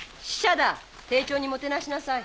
丁重にもてなしなさい。